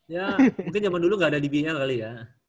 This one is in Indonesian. ya mungkin zaman dulu gak ada dbl kali ya